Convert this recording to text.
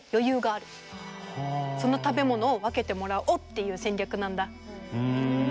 その食べ物を分けてもらおうっていう戦略なんだ。